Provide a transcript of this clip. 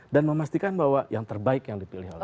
dan memastikan bahwa yang terbaik yang dipilih allah